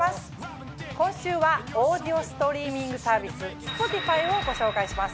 今週はオーディオストリーミングサービスＳｐｏｔｉｆｙをご紹介します。